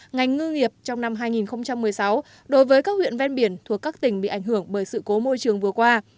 ngành ngư nghiệp trong năm hai nghìn một mươi sáu đối với các huyện ven biển thuộc các tỉnh bị ảnh hưởng bởi sự cố môi trường vừa qua